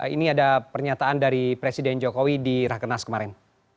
ini ada pernyataan dari presiden jokowi di rakenas kemarin